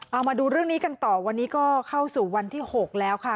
เอามาดูเรื่องนี้กันต่อวันนี้ก็เข้าสู่วันที่๖แล้วค่ะ